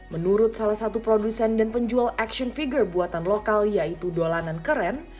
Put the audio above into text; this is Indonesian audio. menurut salah satu produsen dan penjual action figure buatan lokal yaitu dolanan keren